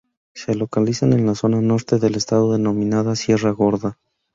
Se localiza en la zona norte del estado, denominada Sierra Gorda.